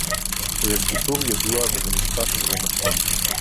זה סיפור ידוע וזה מודפס וזה נכון